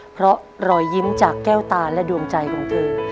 เพราะรอยยิ้มจากแก้วตาและดวงใจของเธอ